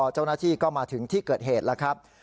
เจ้าหน้าที่ก็มาถึงที่เกิดเหตุแล้วครับ